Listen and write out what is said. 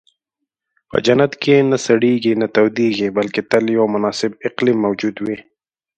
په جنت کې نه سړېږي، نه تودېږي، بلکې تل یو مناسب اقلیم موجود وي.